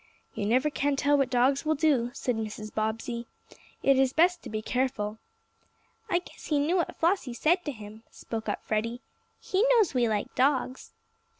"You never can tell what dogs will do," said Mrs. Bobbsey. "It is best to be careful." "I guess he knew what Flossie said to him," spoke up Freddie. "He knows we like dogs."